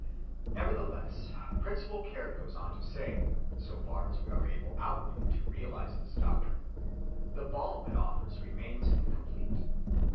Nevertheless, Principal Caird goes on to say, so far as we are able outwardly to realize this doctrine, the balm it offers remains incomplete.